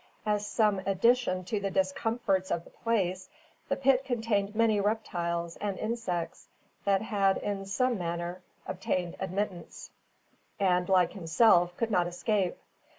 As some addition to the discomforts of the place, the pit contained many reptiles and insects that had in some manner obtained admittance, and, like himself, could not escape.